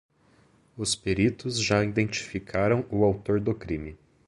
Os peritos já identificaram o autor do crime.